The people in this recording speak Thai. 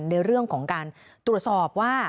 ในเรื่องของการตรวจสอบว่า